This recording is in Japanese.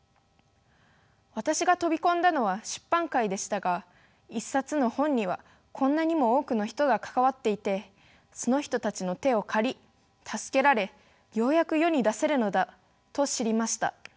私が飛び込んだのは出版界でしたが一冊の本にはこんなにも多くの人が関わっていてその人たちの手を借り助けられようやく世に出せるのだと知りました。